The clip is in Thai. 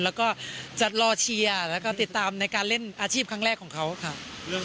แล้วก็จะรอเชียร์แล้วก็ติดตามในการเล่นอาชีพครั้งแรกของเขาครับ